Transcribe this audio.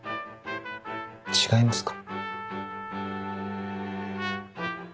違いますか？